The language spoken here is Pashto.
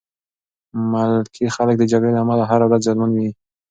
ملکي خلک د جګړې له امله هره ورځ زیان ویني.